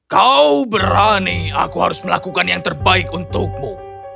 kau berani aku harus melakukan yang terbaik untukmu